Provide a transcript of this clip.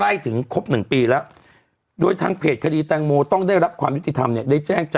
หรือเผื่อใครจะเอาดอกไม้ไว้ให้เขา